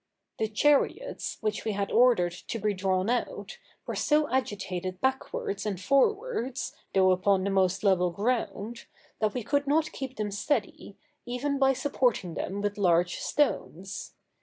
The chariots, which we had ordered to be drawn out, were so agitated backwards and forwards, though upon the most level ground, that we could not keep them steady, even by supporting them with large stones.